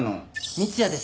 三ツ矢です。